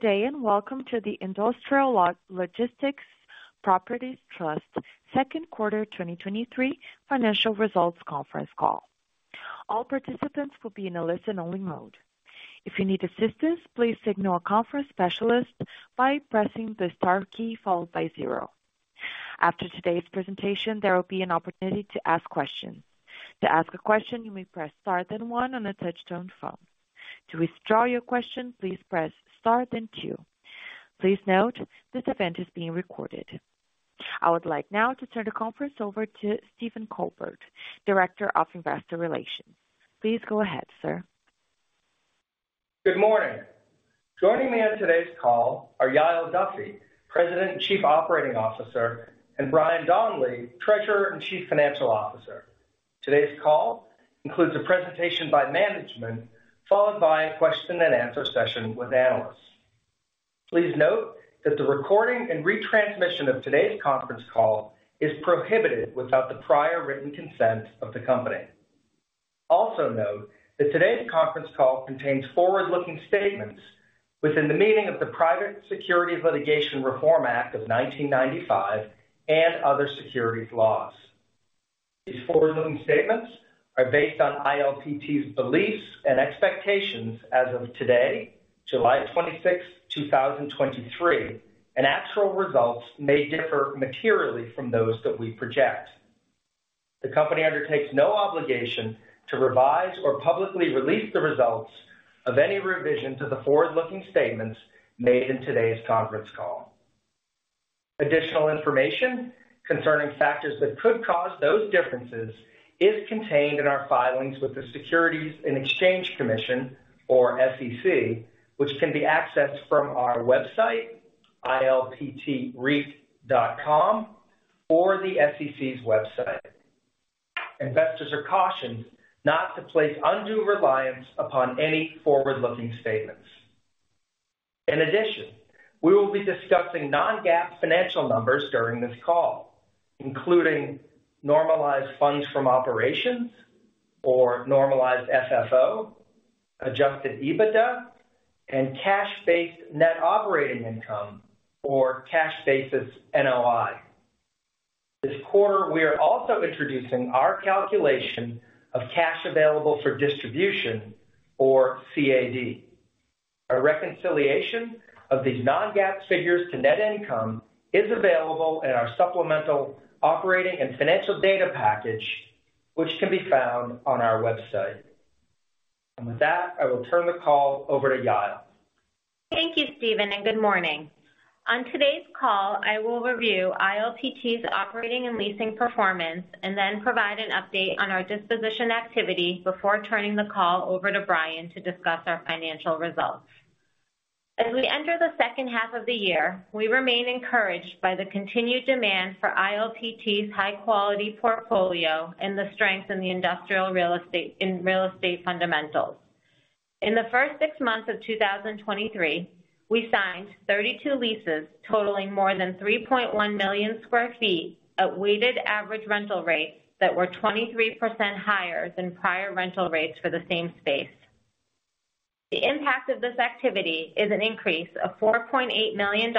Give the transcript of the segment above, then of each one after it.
Good day. Welcome to the Industrial Logistics Properties Trust second quarter 2023 financial results conference call. All participants will be in a listen-only mode. If you need assistance, please signal a conference specialist by pressing the star key, followed by zero. After today's presentation, there will be an opportunity to ask questions. To ask a question, you may press star, then one on a touchtone phone. To withdraw your question, please press star, then two. Please note, this event is being recorded. I would like now to turn the conference over to Stephen Colbert, Director of investor relations. Please go ahead, sir. Good morning. Joining me on today's call are Yael Duffy, President and Chief Operating Officer, and Brian Donley, Treasurer and Chief Financial Officer. Today's call includes a presentation by management, followed by a question and answer session with analysts. Please note that the recording and retransmission of today's conference call is prohibited without the prior written consent of the company. Note that today's conference call contains forward-looking statements within the meaning of the Private Securities Litigation Reform Act of 1995 and other securities laws. These forward-looking statements are based on ILPT's beliefs and expectations as of today, July 26, 2023, and actual results may differ materially from those that we project. The company undertakes no obligation to revise or publicly release the results of any revision to the forward-looking statements made in today's conference call. Additional information concerning factors that could cause those differences is contained in our filings with the Securities and Exchange Commission, or SEC, which can be accessed from our website, ilptreit.com, or the SEC's website. Investors are cautioned not to place undue reliance upon any forward-looking statements. In addition, we will be discussing non-GAAP financial numbers during this call, including normalized Funds From Operations or normalized FFO, adjusted EBITDA, and cash basis Net Operating Income, or cash basis NOI. This quarter, we are also introducing our calculation of Cash Available for Distribution, or CAD. A reconciliation of these non-GAAP figures to net income is available in our supplemental operating and financial data package, which can be found on our website. With that, I will turn the call over to Yael. Thank you, Stephen. Good morning. On today's call, I will review ILPT's operating and leasing performance and then provide an update on our disposition activity before turning the call over to Brian to discuss our financial results. As we enter the second half of the year, we remain encouraged by the continued demand for ILPT's high-quality portfolio and the strength in real estate fundamentals. In the first six months of 2023, we signed 32 leases totaling more than 3.1 million sq ft at weighted average rental rates that were 23% higher than prior rental rates for the same space. The impact of this activity is an increase of $4.8 million in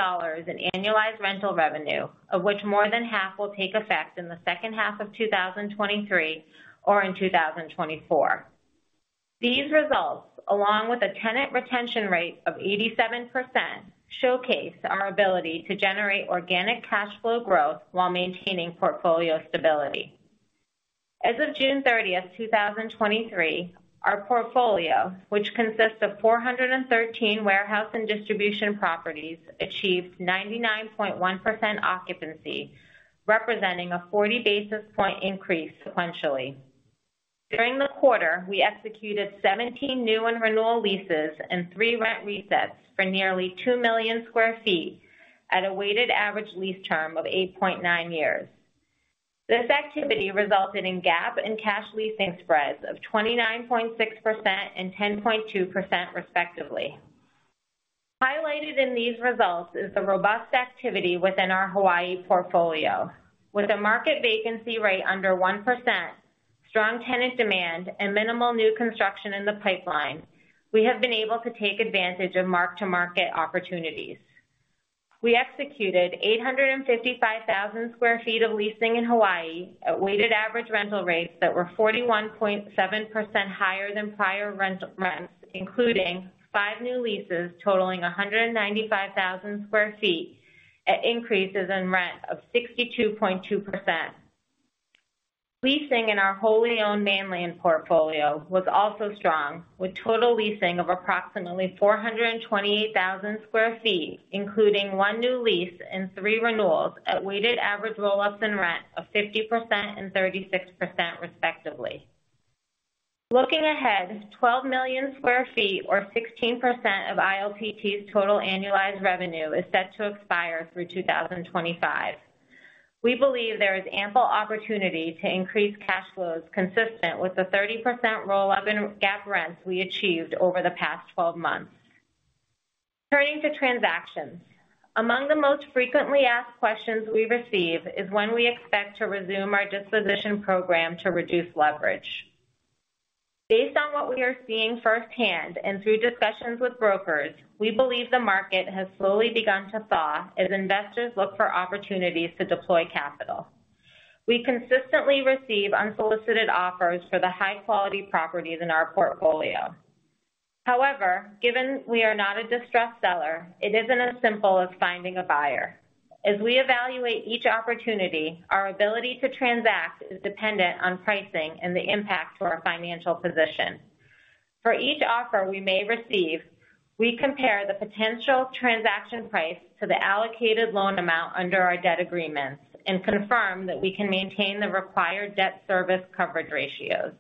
annualized rental revenue, of which more than half will take effect in the second half of 2023 or in 2024. These results, along with a tenant retention rate of 87%, showcase our ability to generate organic cash flow growth while maintaining portfolio stability. As of June 30, 2023, our portfolio, which consists of 413 warehouse and distribution properties, achieved 99.1% occupancy, representing a 40 basis point increase sequentially. During the quarter, we executed 17 new and renewal leases and three rent resets for nearly 2 million sq ft at a weighted average lease term of 8.9 years. This activity resulted in GAAP and cash leasing spreads of 29.6% and 10.2%, respectively. Highlighted in these results is the robust activity within our Hawaii portfolio. With a market vacancy rate under 1%, strong tenant demand, and minimal new construction in the pipeline, we have been able to take advantage of mark-to-market opportunities. We executed 855,000 sq ft of leasing in Hawaii at weighted average rental rates that were 41.7% higher than prior rents, including five new leases totaling 195,000 sq ft at increases in rent of 62.2%. Leasing in our wholly owned mainland portfolio was also strong, with total leasing of approximately 428,000 sq ft, including one new lease and three renewals at weighted average roll-ups in rent of 50% and 36%, respectively. Looking ahead, 12 million square feet or 16% of ILPT's total annualized revenue is set to expire through 2025. We believe there is ample opportunity to increase cash flows consistent with the 30% roll up in GAAP rents we achieved over the past 12 months. Turning to transactions. Among the most frequently asked questions we receive is when we expect to resume our disposition program to reduce leverage. We believe the market has slowly begun to thaw as investors look for opportunities to deploy capital. We consistently receive unsolicited offers for the high-quality properties in our portfolio. Given we are not a distressed seller, it isn't as simple as finding a buyer. As we evaluate each opportunity, our ability to transact is dependent on pricing and the impact to our financial position. For each offer we may receive, we compare the potential transaction price to the allocated loan amount under our debt agreements and confirm that we can maintain the required debt service coverage ratios.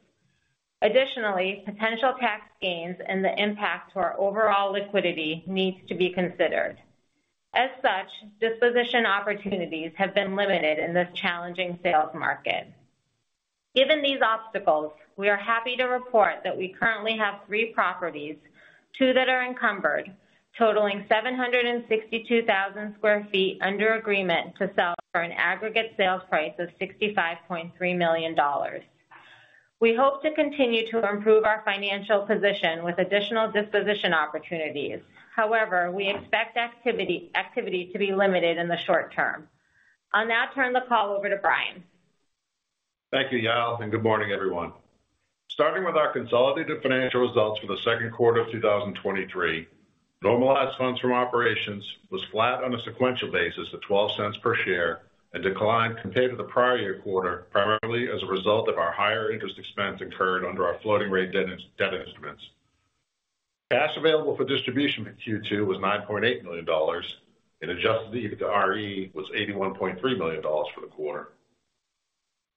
Additionally, potential tax gains and the impact to our overall liquidity needs to be considered. Disposition opportunities have been limited in this challenging sales market. Given these obstacles, we are happy to report that we currently have three properties, two that are encumbered, totaling 762,000 sq ft under agreement to sell for an aggregate sales price of $65.3 million. We hope to continue to improve our financial position with additional disposition opportunities. We expect activity to be limited in the short term. I'll now turn the call over to Brian. Thank you, Yael, and good morning, everyone. Starting with our consolidated financial results for the second quarter of 2023, normalized Funds From Operations was flat on a sequential basis of $0.12 per share and declined compared to the prior year quarter, primarily as a result of our higher interest expense incurred under our floating rate debt instruments. Cash available for distribution in Q2 was $9.8 million and adjusted EBITDA was $81.3 million for the quarter.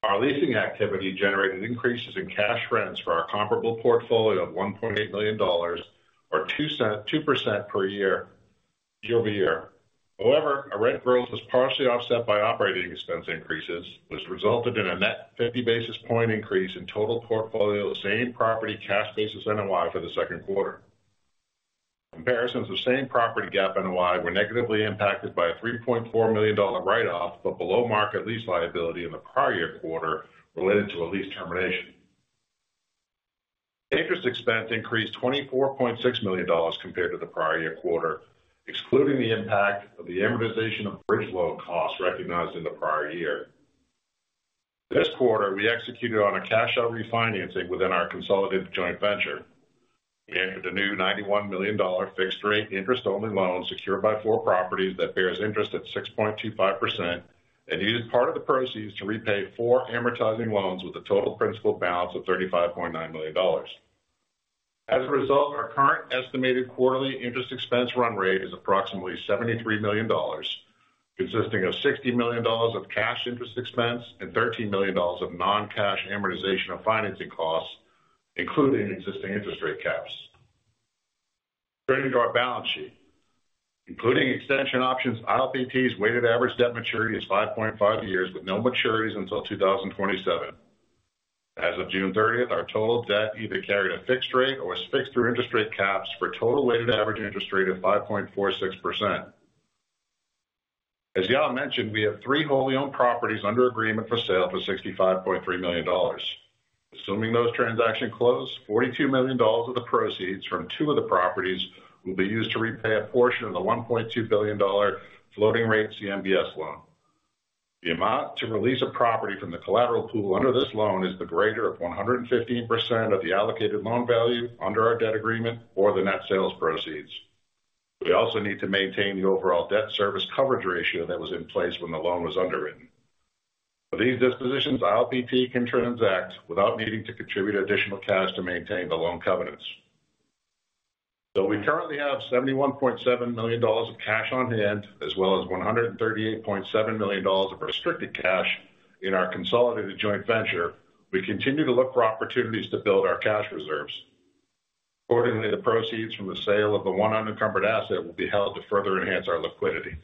Our leasing activity generated increases in cash rents for our comparable portfolio of $1.8 million or 2% per year-over-year. However, our rent growth was partially offset by operating expense increases, which resulted in a net 50 basis point increase in total portfolio, the same property, cash basis NOI for the second quarter. Comparisons of same-property GAAP NOI were negatively impacted by a $3.4 million write-off, below market lease liability in the prior year quarter related to a lease termination. Interest expense increased $24.6 million compared to the prior year quarter, excluding the impact of the amortization of bridge loan costs recognized in the prior year. This quarter, we executed on a cash out refinancing within our consolidated joint venture. We entered a new $91 million fixed-rate, interest-only loan secured by four properties that bears interest at 6.25% and used part of the proceeds to repay four amortizing loans with a total principal balance of $35.9 million. As a result, our current estimated quarterly interest expense run rate is approximately $73 million, consisting of $60 million of cash interest expense and $13 million of non-cash amortization of financing costs, including existing interest rate caps. Turning to our balance sheet. Including extension options, ILPT's weighted average debt maturity is 5.5 years, with no maturities until 2027. As of June 30th, our total debt either carried a fixed rate or was fixed through interest rate caps for a total weighted average interest rate of 5.46%. As Yael mentioned, we have three wholly-owned properties under agreement for sale for $65.3 million. Assuming those transactions close, $42 million of the proceeds from two of the properties will be used to repay a portion of the $1.2 billion floating rate CMBS loan. The amount to release a property from the collateral pool under this loan is the greater of 115% of the allocated loan value under our debt agreement or the net sales proceeds. We also need to maintain the overall debt-service-coverage ratio that was in place when the loan was underwritten. For these dispositions, ILPT can transact without needing to contribute additional cash to maintain the loan covenants. Though we currently have $71.7 million of cash on hand, as well as $138.7 million of restricted cash in our consolidated joint venture, we continue to look for opportunities to build our cash reserves. Accordingly, the proceeds from the sale of the one unencumbered asset will be held to further enhance our liquidity.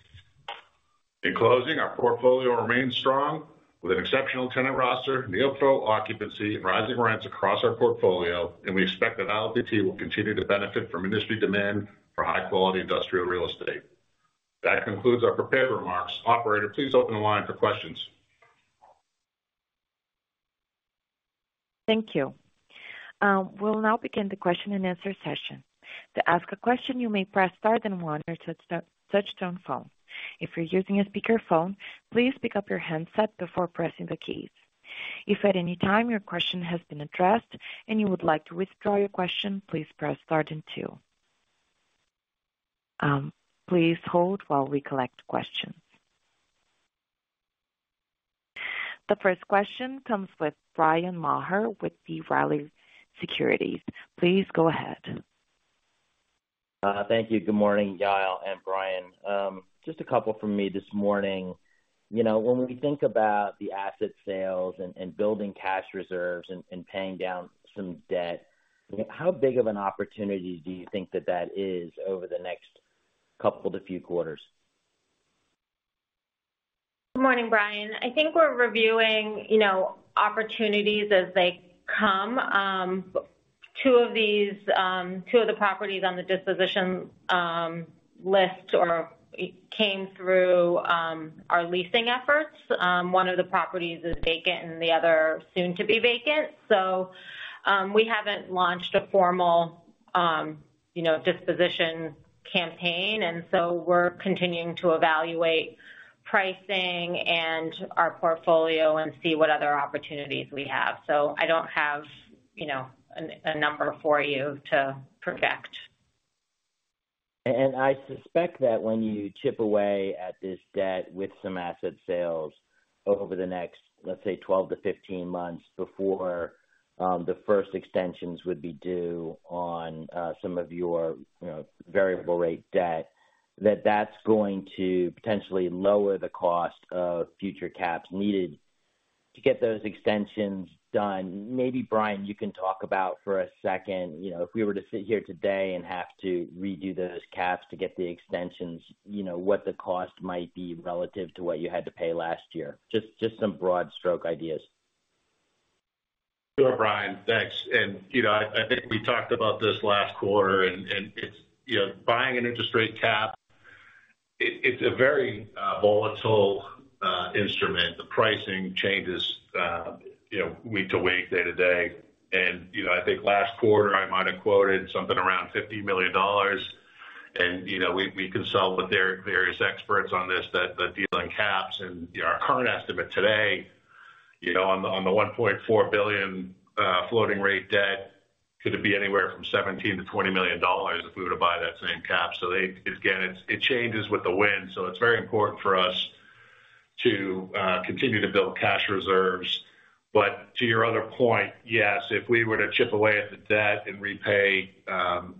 In closing, our portfolio remains strong with an exceptional tenant roster, near-full occupancy and rising rents across our portfolio, and we expect that ILPT will continue to benefit from industry demand for high-quality industrial real estate. That concludes our prepared remarks. Operator, please open the line for questions. Thank you. We'll now begin the question-and-answer session. To ask a question, you may press star then one on your touchtone phone. If you're using a speakerphone, please pick up your handset before pressing the keys. If at any time your question has been addressed and you would like to withdraw your question, please press star then two. Please hold while we collect questions. The first question comes with Bryan Maher with B. Riley Securities. Please go ahead. Thank you. Good morning, Yael and Brian. Just a couple from me this morning. You know, when we think about the asset sales and building cash reserves and paying down some debt, how big of an opportunity do you think that that is over the next couple to few quarters? Good morning, Bryan. I think we're reviewing, you know, opportunities as they come. Two of these — two of the properties on the disposition list or came through our leasing efforts. One of the properties is vacant and the other soon to be vacant. We haven't launched a formal, you know, disposition campaign, and so we're continuing to evaluate pricing and our portfolio and see what other opportunities we have. I don't have, you know, a number for you to project. I suspect that when you chip away at this debt with some asset sales over the next, let's say, 12 months-15 months before the first extensions would be due on some of your, you know, variable rate debt, that that's going to potentially lower the cost of future caps needed to get those extensions done. Maybe, Brian, you can talk about for a second, you know, if we were to sit here today and have to redo those caps to get the extensions, you know, what the cost might be relative to what you had to pay last year? Just some broad stroke ideas. Sure, Bryan. Thanks. You know, I think we talked about this last quarter, it's, you know, buying an interest rate cap, it's a very volatile instrument. The pricing changes, you know, week to week, day to day. You know, I think last quarter, I might have quoted something around $50 million. You know, we consult with their various experts on this, that, the deal on caps and, you know, our current estimate today, you know, on the $1.4 billion floating rate debt, could it be anywhere from $17 million-$20 million if we were to buy that same cap. Again, it changes with the wind, so it's very important for us to continue to build cash reserves. To your other point, yes, if we were to chip away at the debt and repay,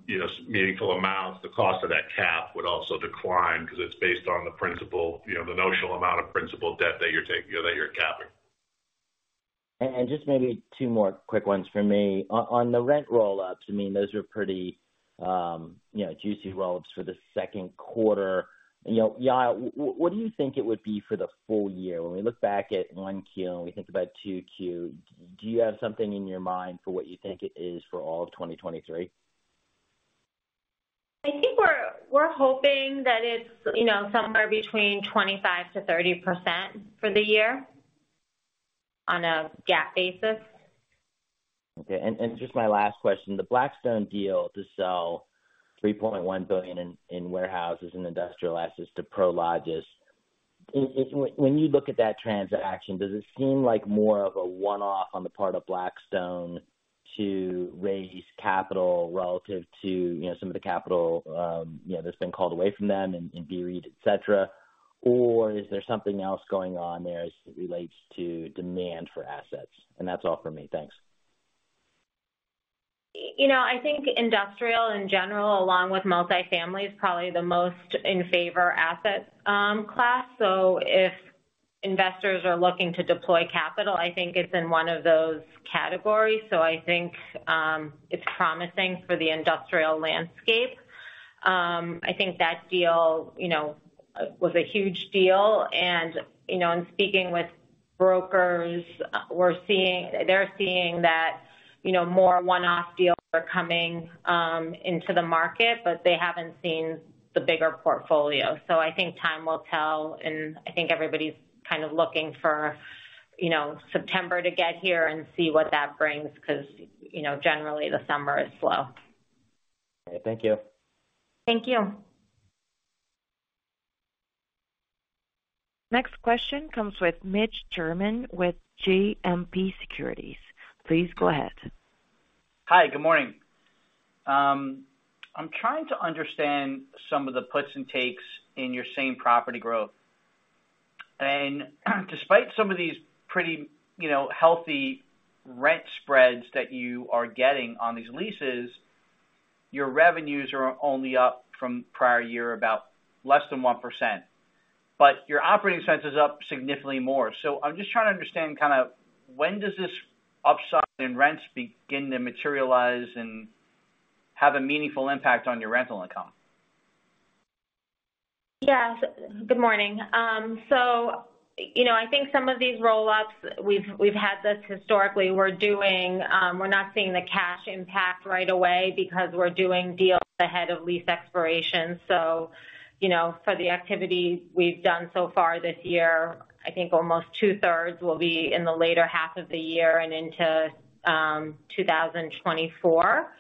you know, meaningful amounts, the cost of that cap would also decline because it's based on the principal, you know, the notional amount of principal debt that you're taking or that you're capping. Just maybe two more quick ones for me. On the rent roll-ups, I mean, those are pretty, you know, juicy roll-ups for the second quarter. You know, Yael, what do you think it would be for the full year? When we look back at 1Q and we think about 2Q, do you have something in your mind for what you think it is for all of 2023? I think we're hoping that it's, you know, somewhere between 25%-30% for the year on a GAAP basis. Okay, just my last question. The Blackstone deal to sell $3.1 billion in warehouses and industrial assets to Prologis. When you look at that transaction, does it seem like more of a one-off on the part of Blackstone to raise capital relative to, you know, some of the capital, you know, that's been called away from them in SREIT, et cetera? Is there something else going on there as it relates to demand for assets? That's all for me. Thanks. You know, I think industrial, in general, along with multifamily, is probably the most in-favor asset class. If investors are looking to deploy capital, I think it's in one of those categories. I think it's promising for the industrial landscape. I think, that deal, you know, was a huge deal. You know, in speaking with brokers, they're seeing that, you know, more one-off deals are coming into the market, but they haven't seen the bigger portfolio. I think time will tell, and I think everybody's kind of looking for, you know, September to get here and see what that brings, 'cause, you know, generally the summer is slow. Okay. Thank you. Thank you. Next question comes with Mitch Germain with JMP Securities. Please go ahead. Hi, good morning. I'm trying to understand some of the puts and takes in your same-property growth. Despite some of these pretty, you know, healthy rent spreads that you are getting on these leases, your revenues are only up from prior year, about less than 1%, but your operating expense is up significantly more. I'm just trying to understand kind of when does this upswing in rents begin to materialize and have a meaningful impact on your rental income? Yeah. Good morning. You know, I think some of these roll-ups, we've had this historically. We're not seeing the cash impact right away because we're doing deals ahead of lease expiration. You know, for the activity we've done so far this year, I think almost 2/3 will be in the later half of the year and into 2024.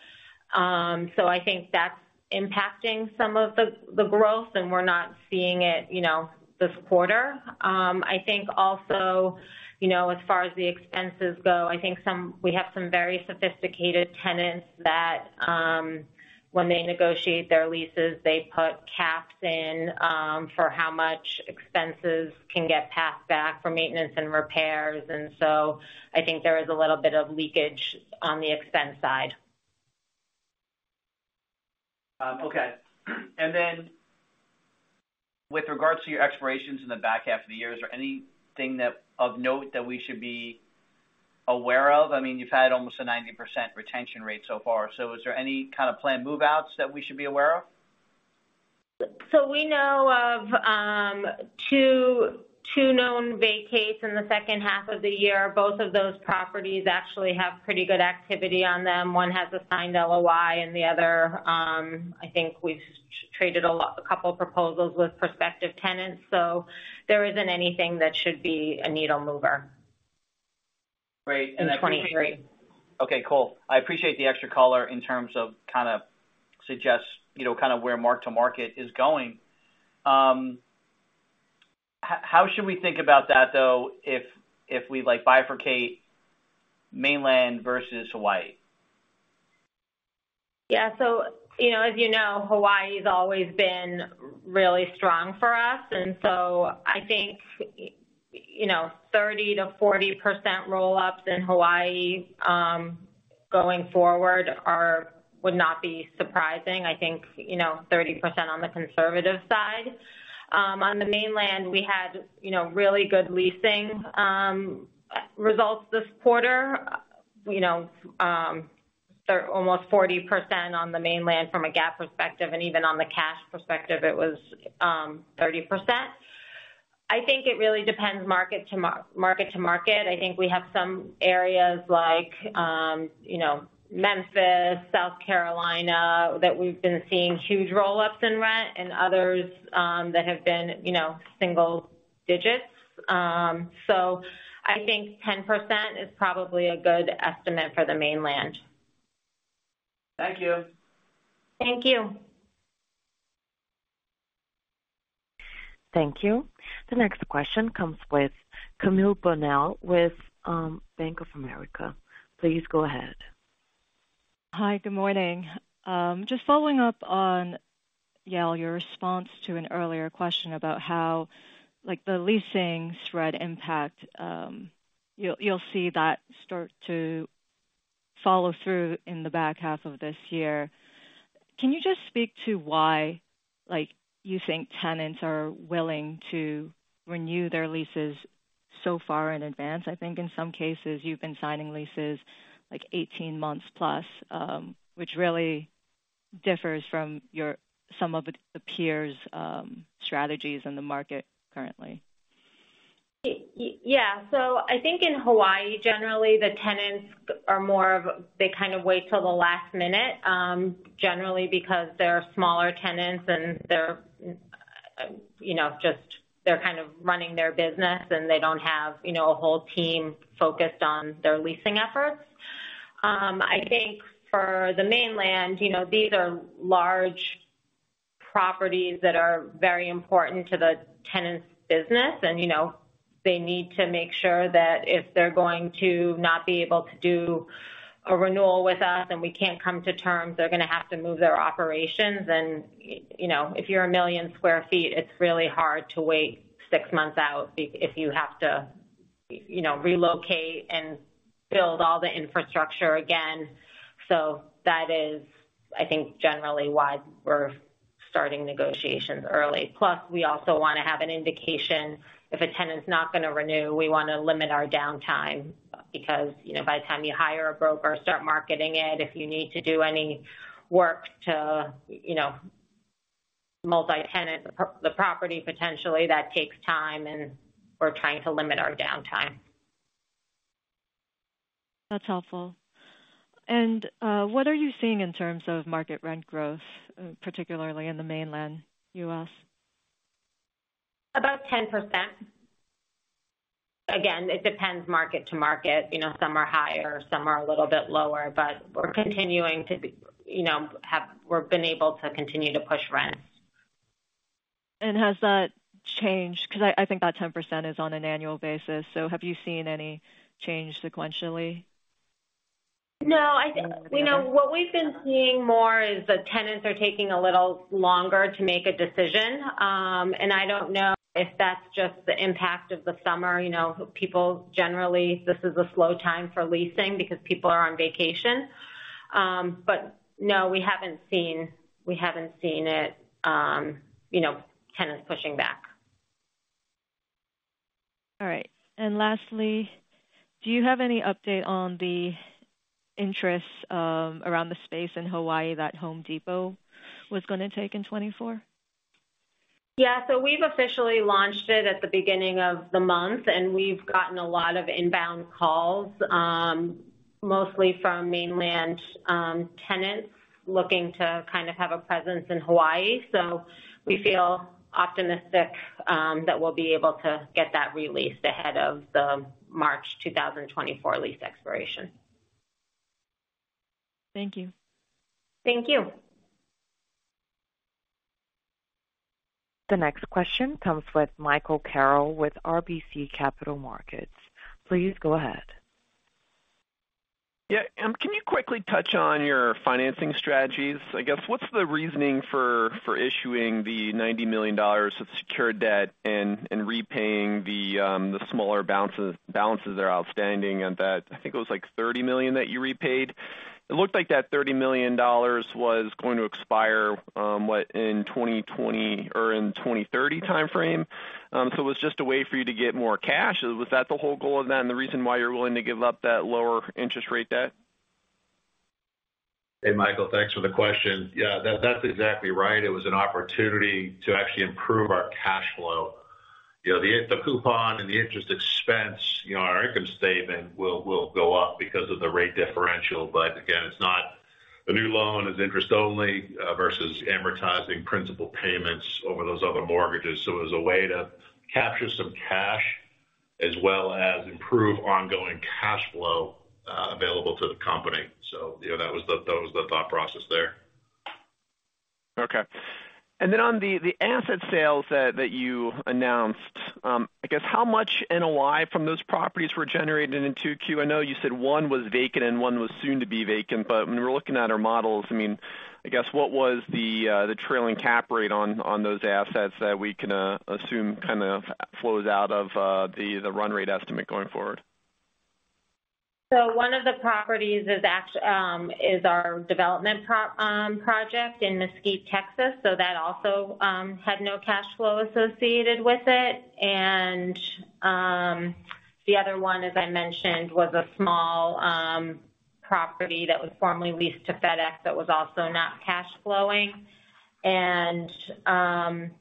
I think that's impacting some of the growth, and we're not seeing it, you know, this quarter. I think also, you know, as far as the expenses go, I think we have some very sophisticated tenants that when they negotiate their leases, they put caps in for how much expenses can get passed back for maintenance and repairs. I think there is a little bit of leakage on the expense side. Okay. With regards to your expirations in the back half of the year, is there anything of note that we should be aware of? I mean, you've had almost a 90% retention rate so far. Is there any kind of planned move-outs that we should be aware of? We know of two known vacates in the second half of the year. Both of those properties actually have pretty good activity on them. One has a signed LOI and the other, I think we've traded a couple proposals with prospective tenants, so there isn't anything that should be a needle-mover. Great. Okay, cool. I appreciate the extra color in terms of kind of suggest, you know, kind of where mark-to-market is going. How should we think about that, though, if we, like, bifurcate mainland versus Hawaii? Yeah. You know, as you know, Hawaii's always been really strong for us, and so I think, you know, 30%-40% roll-ups in Hawaii going forward would not be surprising. I think, you know, 30% on the conservative side. On the mainland, we had, you know, really good leasing results this quarter. You know, they're almost 40% on the mainland from a GAAP perspective, and even on the cash perspective, it was 30%. I think it really depends market to market. I think we have some areas like, you know, Memphis, South Carolina, that we've been seeing huge roll-ups in rent and others that have been, you know, single-digits. I think 10% is probably a good estimate for the mainland. Thank you. Thank you. Thank you. The next question comes with Camille Bonnel with Bank of America. Please go ahead. Hi, good morning. Just following up on, Yael, your response to an earlier question about how, like, the leasing spread impact, you'll see that start to follow through in the back half of this year. Can you just speak to why, like, you think tenants are willing to renew their leases so far in advance? I think in some cases you've been signing leases like 18 months plus, which really differs from some of the peers' strategies in the market currently. Yeah. I think in Hawaii, generally, the tenants are more of, they kind of wait till the last minute, generally because they're smaller tenants and they're, you know, just, they're kind of running their business, and they don't have, you know, a whole team focused on their leasing efforts. I think for the mainland, you know, these are large properties that are very important to the tenant's business. You know, they need to make sure that if they're going to not be able to do a renewal with us and we can't come to terms, they're gonna have to move their operations. You know, if you're 1 million sq ft, it's really hard to wait six months out if you have to, you know, relocate and build all the infrastructure again. That is, I think, generally why we're starting negotiations early. We also wanna have an indication. If a tenant's not gonna renew, we wanna limit our downtime, because, you know, by the time you hire a broker, start marketing it, if you need to do any work to, you know, multi-tenant the property, potentially that takes time, and we're trying to limit our downtime. That's helpful. What are you seeing in terms of market rent growth, particularly in the mainland U.S.? About 10%. Again, it depends market to market. You know, some are higher, some are a little bit lower, but we're continuing to, you know, we've been able to continue to push rent. Has that changed? Because I think that 10% is on an annual basis. Have you seen any change sequentially? No, I think. You know, what we've been seeing more is that tenants are taking a little longer to make a decision. I don't know if that's just the impact of the summer. You know, people generally, this is a slow time for leasing because people are on vacation. No, we haven't seen it, you know, tenants pushing back. All right. Lastly, do you have any update on the interest around the space in Hawaii that Home Depot was gonna take in 2024? Yeah. we've officially launched it at the beginning of the month, and we've gotten a lot of inbound calls, mostly from mainland, tenants looking to kind of have a presence in Hawaii. we feel optimistic that we'll be able to get that re-leased ahead of the March 2024 lease expiration. Thank you. Thank you. The next question comes with Michael Carroll with RBC Capital Markets. Please go ahead. Yeah, can you quickly touch on your financing strategies? I guess, what's the reasoning for issuing the $90 million of secured debt and repaying the smaller balances that are outstanding? That, I think it was, like, $30 million that you repaid. It looked like that $30 million was going to expire, what, in 2020 or in 2030 timeframe? It was just a way for you to get more cash. Was that the whole goal of that and the reason why you're willing to give up that lower interest rate debt? Hey, Michael, thanks for the question. Yeah, that's exactly right. It was an opportunity to actually improve our cash flow. You know, the coupon and the interest expense, you know, our income statement will go up because of the rate differential — again, it's not. The new loan is interest only, versus amortizing principal payments over those other mortgages. It was a way to capture some cash as well as improve ongoing cash flow, available to the company. You know, that was the thought process there. Okay. On the asset sales that you announced, I guess how much NOI from those properties were generated in 2Q? I know you said one was vacant and one was soon to be vacant, when we're looking at our models, I mean, I guess, what was the trailing cap rate on those assets that we can assume kind of flows out of the run rate estimate going forward? One of the properties is our development project in Mesquite, Texas. That also had no cash flow associated with it. The other one, as I mentioned, was a small property that was formerly leased to FedEx that was also not cash flowing. The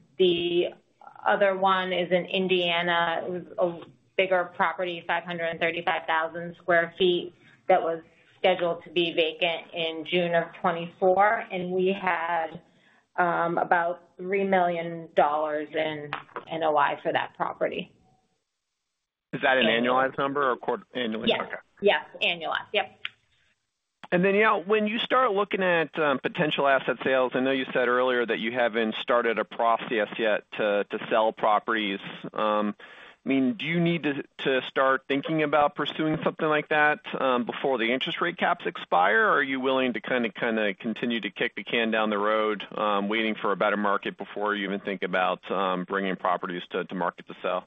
other one is in Indiana. It was a bigger property, 535,000 sq ft, that was scheduled to be vacant in June of 2024, and we had about $3 million in NOI for that property. Is that an annualized number or annually? Yes. Okay. Yes, annualized. Yep. Yael, when you start looking at potential asset sales, I know you said earlier that you haven't started a process yet to sell properties. I mean, do you need to start thinking about pursuing something like that before the interest rate caps expire? Are you willing to kind of continue to kick the can down the road, waiting for a better market before you even think about bringing properties to market, to sell?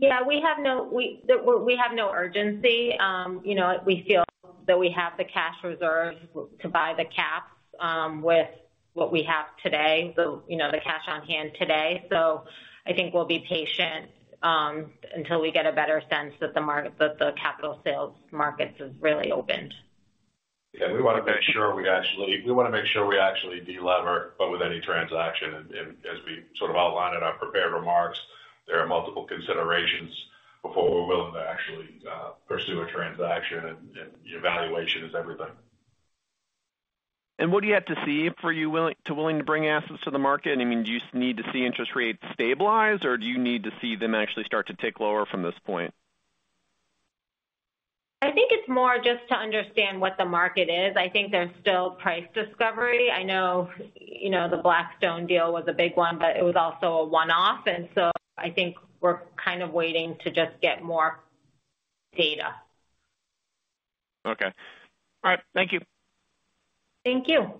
We have no urgency. You know, we feel that we have the cash reserve to buy the caps, with what we have today, you know, the cash on hand today. I think we'll be patient until we get a better sense that the capital sales markets have really opened. We wanna make sure we actually de-lever, with any transaction, as we sort of outlined in our prepared remarks, there are multiple considerations before we're willing to actually pursue a transaction. Evaluation is everything. What do you have to see for you willing to bring assets to the market? I mean, do you need to see interest rates stabilize, or do you need to see them actually start to tick lower from this point? I think it's more just to understand what the market is. I think there's still price discovery. I know, you know, the Blackstone deal was a big one, but it was also a one-off, and so I think we're kind of waiting to just get more data. Okay. All right. Thank you. Thank you.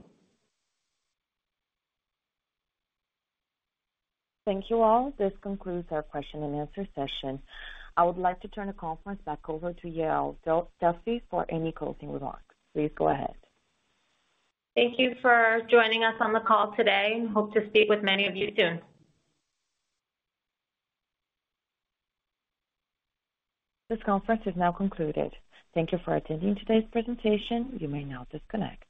Thank you, all. This concludes our question and answer session. I would like to turn the conference back over to Yael Duffy for any closing remarks. Please go ahead. Thank you for joining us on the call today, and hope to speak with many of you soon. This conference is now concluded. Thank you for attending today's presentation. You may now disconnect.